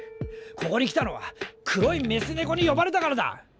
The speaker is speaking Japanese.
ここに来たのは黒いメス猫に呼ばれたからだ。